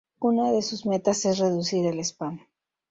Una de sus metas es reducir el Spam.